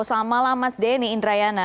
selamat malam mas denny indrayana